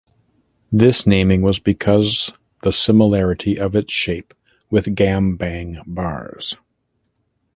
This naming was because the similarity of its shape with gambang bars.